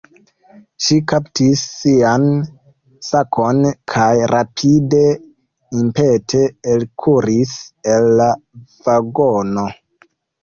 Ŝi kaptis sian sakon kaj rapide impete elkuris el la vagono.